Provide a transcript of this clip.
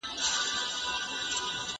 لوستې نجونې د خلکو ترمنځ تفاهم پياوړی ساتي.